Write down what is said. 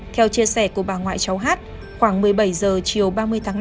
theo chia sẻ của bà ngoại cháu hát khoảng một mươi bảy h chiều ba mươi tháng năm